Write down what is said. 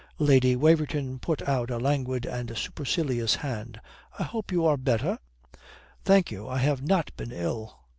Lady Waverton put out a languid and supercilious hand. "I hope you are better." "Thank you. I have not been ill."